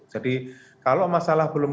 jadi kalau masalah belum